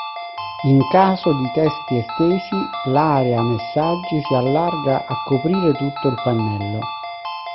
In caso di testi estesi l'area messaggi si allarga a coprire tutto il pannello.